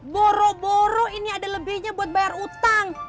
boro boro ini ada lebihnya buat bayar utang